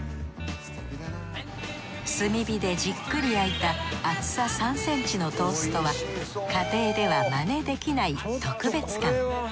炭火でじっくり焼いた厚さ３ｃｍのトーストは家庭ではまねできない特別感。